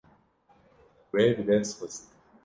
We bi dest xist.